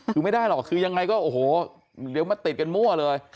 คือไม่ได้หรอกคือยังไงก็โอ้โหเดี๋ยวมาติดกันมั่วเลย